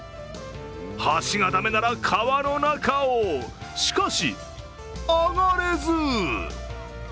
橋がだめなら川の中をしかし、上がれず。